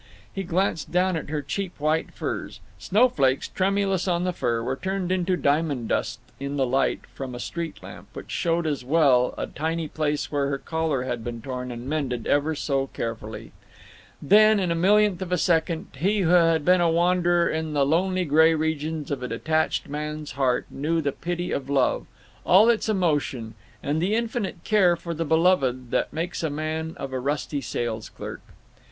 He glanced down at her cheap white furs. Snowflakes, tremulous on the fur, were turned into diamond dust in the light from a street lamp which showed as well a tiny place where her collar had been torn and mended ever so carefully. Then, in a millionth of a second, he who had been a wanderer in the lonely gray regions of a detached man's heart knew the pity of love, all its emotion, and the infinite care for the beloved that makes a man of a rusty sales clerk.